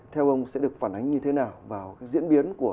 theo ông sẽ được phản ánh như thế nào vào cái diễn biến của